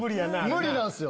無理なんすよ。